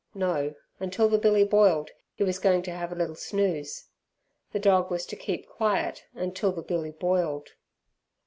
No, until the billy boiled he was going to have a little snooze. The dog was to keep quiet until the billy boiled.